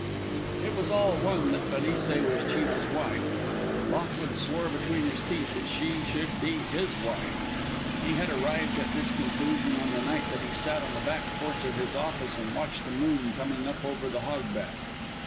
It was all one that Felice was Chino's wife. Lockwood swore between his teeth that she should be his wife. He had arrived at this conclusion on the night that he sat on the back porch of his office and watched the moon coming up over the Hog Back.